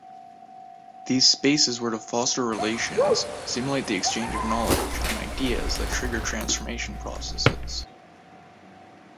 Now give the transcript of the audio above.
These spaces where to foster relations stimulate the exchange of knowledge and ideas that trigger transformation processes.